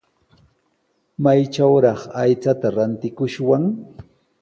¿Maytrawraq aychata rantikushwan?